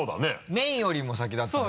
麺よりも先だったね。